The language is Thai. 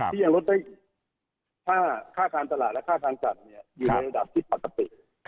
ที่ยังลดได้ค่าการตลาดและค่าการจัดอยู่ในระดับที่ปกติ